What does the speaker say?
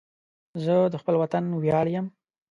زه د خپل وطن ویاړ یم